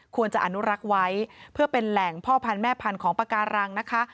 ควรจะอนุรักษ์ไว้เพื่อเป็นแหล่งพ่อพันธุ์แม่พันธุ์ของปากการังนะคะ